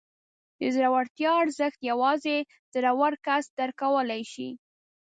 د زړورتیا ارزښت یوازې زړور کس درک کولی شي.